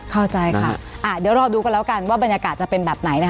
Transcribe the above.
เข้าใจค่ะเดี๋ยวรอดูกันแล้วกันว่าบรรยากาศจะเป็นแบบไหนนะคะ